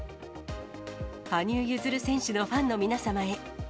羽生結弦選手のファンの皆様へ。